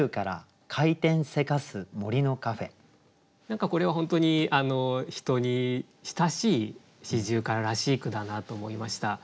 何かこれは本当に人に親しい四十雀らしい句だなと思いました。